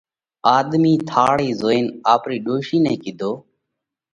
آۮمِي ٿاۯِئِي زوئينَ آپرِي ڏوشِي نئہ ڪِيڌو: